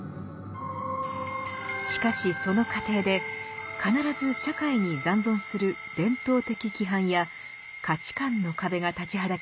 しかしその過程で必ず社会に残存する伝統的規範や価値観の壁が立ちはだかります。